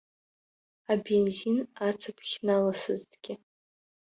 Абензин ацыԥхь наласызҭгьы.